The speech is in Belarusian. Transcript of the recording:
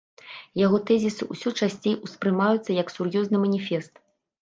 Яго тэзісы ўсё часцей успрымаюцца як сур'ёзны маніфест.